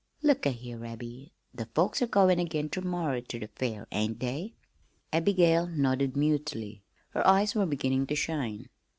Look a' here, Abby, the folks are goin' again ter morrer ter the fair, ain't they?" Abigail nodded mutely. Her eyes were beginning to shine.